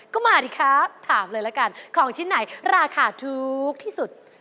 ก็มาดิครับถามเลยละกันของชิ้นไหนราคาถูกที่สุด